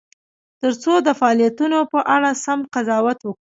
ترڅو د فعالیتونو په اړه سم قضاوت وکړو.